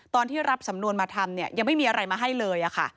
ตอนที่รับสำนวนมาทำเนี่ยยังไม่มีอะไรมาให้เลยค่ะ